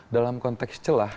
dalam konteks celah